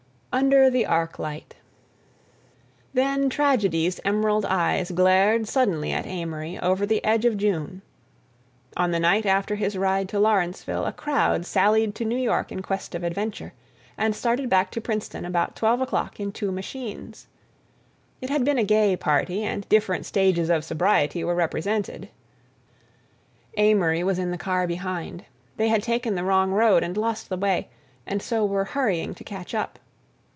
UNDER THE ARC LIGHT Then tragedy's emerald eyes glared suddenly at Amory over the edge of June. On the night after his ride to Lawrenceville a crowd sallied to New York in quest of adventure, and started back to Princeton about twelve o'clock in two machines. It had been a gay party and different stages of sobriety were represented. Amory was in the car behind; they had taken the wrong road and lost the way, and so were hurrying to catch up.